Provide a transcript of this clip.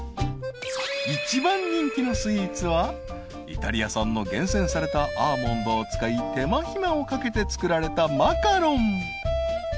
［一番人気のスイーツはイタリア産の厳選されたアーモンドを使い手間暇をかけて作られたマカロン］